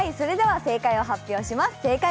正解を発表します。